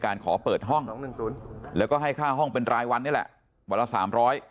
ขอเปิดห้องแล้วก็ให้ค่าห้องเป็นรายวันนี่แหละวันละสามร้อย